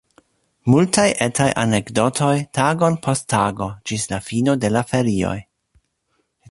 Multaj etaj anekdotoj, tagon post tago, ĝis la fino de la ferioj.